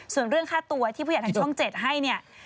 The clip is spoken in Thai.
ส่วนเรื่องค่าตัวที่ผู้ใหญ่ทางช่อง๗ให้เนี่ย